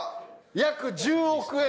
約１０億円。